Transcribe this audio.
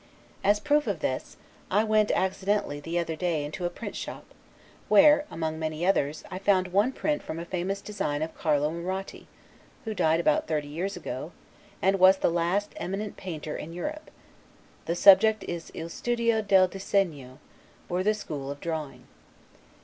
As a proof of this, I went accidentally the other day into a print shop, where, among many others, I found one print from a famous design of Carlo Maratti, who died about thirty years ago, and was the last eminent painter in Europe: the subject is 'il Studio del Disegno'; or "The School of Drawing."